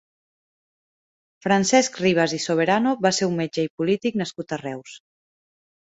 Francesc Ribas i Soberano va ser un metge i polític nascut a Reus.